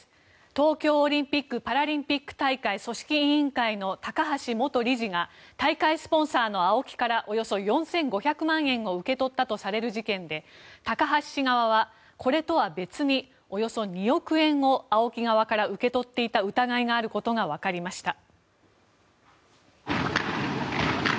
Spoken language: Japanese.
東京オリンピック・パラリンピック大会委員会組織委員の高橋元理事が大会スポンサーのＡＯＫＩからおよそ４５００万円を受け取ったとされる事件で高橋氏側はこれとは別におよそ２億円をＡＯＫＩ側から受け取っていた疑いがあることが分かりました。